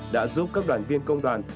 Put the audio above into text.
đã giúp các đoàn viên công đoàn